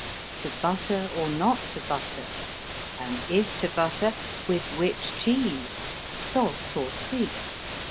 To butter or not to butter? And if to butter, with which cheese? Salt or sweet?